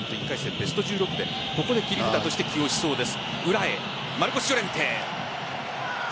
ベスト１６でここで切り札として起用しそうです。